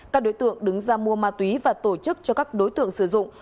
các đối tượng đứng ra mua ma túy và tổ chức cho các đối tượng sử dụng